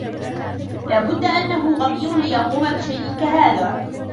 لا بد أنه غبي ليقوم بشيء كهذا.